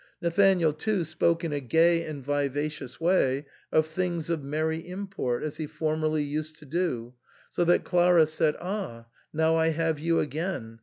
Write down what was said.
Nathanael, too, spoke in a gay and vivacious way of things of merry import, as he formerly used to do, so that Clara said, "Ah ! now I have you again.